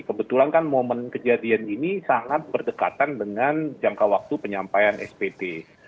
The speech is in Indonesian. kebetulan kan momen kejadian ini sangat berdekatan dengan jangka waktu penyampaian spt